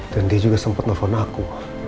dan dia juga sempat nelfon aku